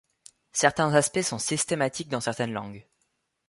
Certains aspects sont systématiques dans certaines langues.